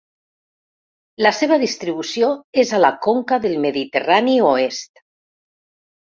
La seva distribució és a la conca del Mediterrani oest.